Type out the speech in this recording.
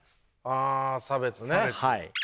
あ差別ね。